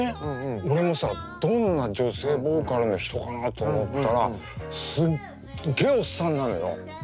俺もさどんな女性ボーカルの人かなと思ったらすっげえおっさんなのよ。